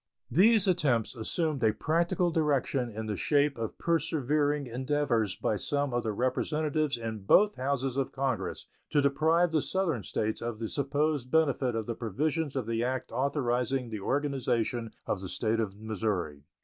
These attempts assumed a practical direction in the shape of persevering endeavors by some of the Representatives in both Houses of Congress to deprive the Southern States of the supposed benefit of the provisions of the act authorizing the organization of the State of Missouri.